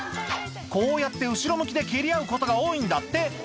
こうやって後ろ向きで、蹴り合うことが多いんだって。